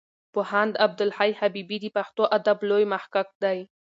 پوهاند عبدالحی حبیبي د پښتو ادب لوی محقق دی.